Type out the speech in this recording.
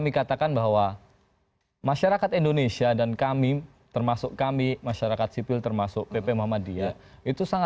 itu harus diserahkan ke keluarga